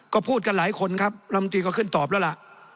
ก็พูดกันหลายคนครับลำตีก็ขึ้นตอบแล้วล่ะ